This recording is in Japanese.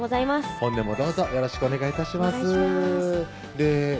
本年もどうぞよろしくお願い致します